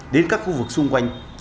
đến các khu vực xung quanh